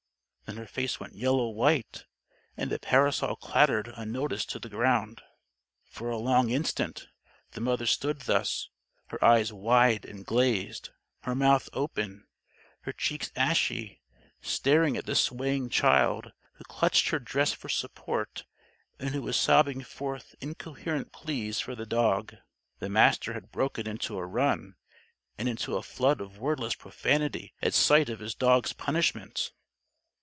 Then her face went yellow white; and the parasol clattered unnoticed to the ground. For a long instant the mother stood thus; her eyes wide and glazed, her mouth open, her cheeks ashy staring at the swaying child who clutched her dress for support and who was sobbing forth incoherent pleas for the dog. The Master had broken into a run and into a flood of wordless profanity at sight of his dog's punishment.